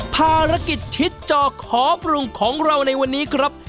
ภารกิจชิดจอกขอปรุงของเราในวันนี้ครับ